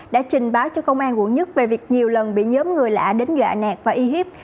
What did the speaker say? đã trình báo cho công an quận một về việc nhiều lần bị nhóm người lạ đến gạ nạt và y hiếp